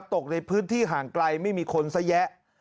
ตกในพื้นที่ห่างไกลไม่มีคนซะแยะ